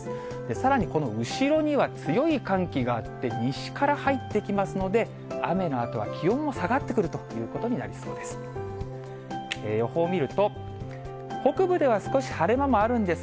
さらにこの後ろには、強い寒気があって、西から入ってきますので、雨のあとは気温も下がってくるということになりそうです。